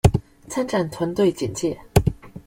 參展團隊簡介